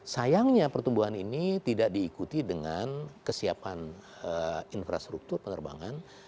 sayangnya pertumbuhan ini tidak diikuti dengan kesiapan infrastruktur penerbangan